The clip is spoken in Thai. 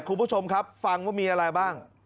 คุณผู้ชมครับฟังว่ามีอะไรบ้าง